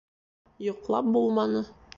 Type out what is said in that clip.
Йоҡлап булманы.